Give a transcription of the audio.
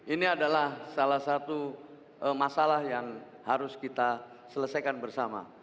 ini adalah salah satu masalah yang harus kita selesaikan bersama